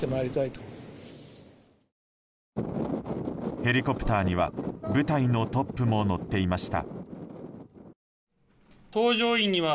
ヘリコプターには部隊のトップも乗っていました。